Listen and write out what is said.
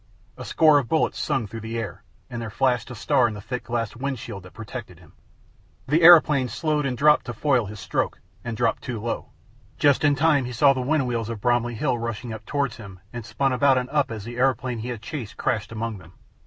A score of bullets sung through the air, and there flashed a star in the thick glass wind screen that protected him. The aeroplane slowed and dropped to foil his stroke, and dropped too low. Just in time he saw the wind wheels of Bromley hill rushing up towards him, and spun about and up as the aeroplane he had chased crashed among them.